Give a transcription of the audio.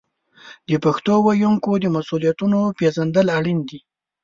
د پښتو ویونکو د مسوولیتونو پیژندل اړین دي.